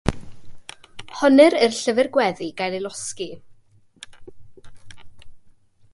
Honnir i'r llyfr gweddi gael ei losgi.